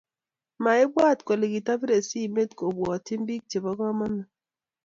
Maibwat kole kitobirei simet kobwotyi bik chebo komonut